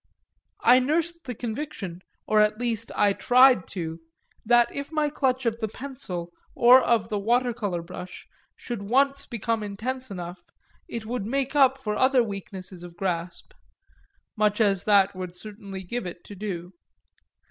I nursed the conviction, or at least I tried to, that if my clutch of the pencil or of the watercolour brush should once become intense enough it would make up for other weaknesses of grasp much as that would certainly give it to do.